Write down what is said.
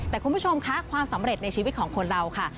แต่คุณผู้ชมค่ะความสำเร็จในชีวิตของคนเราค่ะ